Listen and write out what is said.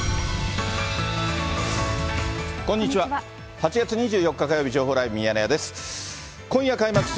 ８月２４日火曜日、情報ライブミヤネ屋です。